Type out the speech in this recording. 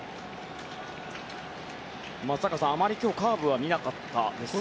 松坂さん、あまり今日カーブは見なかったですよね。